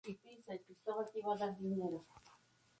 Poco antes se inauguraba el centro de El Ejido.